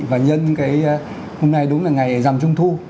và nhân cái hôm nay đúng là ngày giảm trung thu